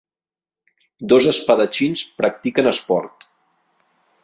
Dos espadatxins practiquen esport.